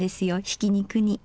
ひき肉に。